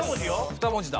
２文字だ。